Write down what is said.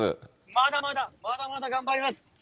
まだまだ、まだまだ頑張ります。